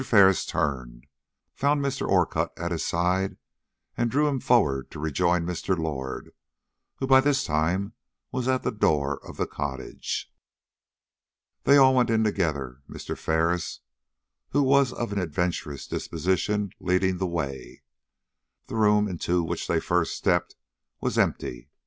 Ferris turned, found Mr. Orcutt still at his side, and drew him forward to rejoin Mr. Lord, who by this time was at the door of the cottage. They all went in together, Mr. Ferris, who was of an adventurous disposition, leading the way. The room into which they first stepped was empty.